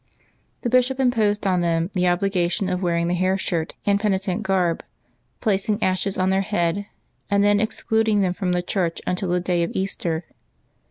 The bishop imposed on them the obligation of wearing the hair shirt and penitent garb, placing ashes on their head, and then excluding them from the church until the day of Easter.